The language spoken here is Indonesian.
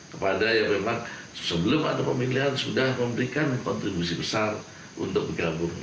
kepada yang memang sebelum ada pemilihan sudah memberikan kontribusi besar untuk bergabung